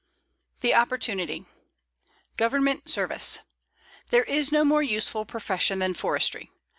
THE OPPORTUNITY GOVERNMENT SERVICE There is no more useful profession than forestry.